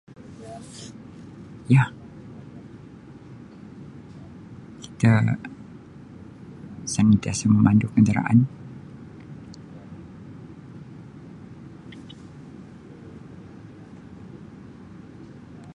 Ya kita sentiasa memandu kenderaan.